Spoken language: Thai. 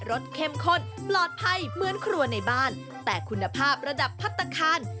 สเข้มข้นปลอดภัยเหมือนครัวในบ้านแต่คุณภาพระดับพัฒนาคาร